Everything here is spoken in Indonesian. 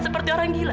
seperti orang gila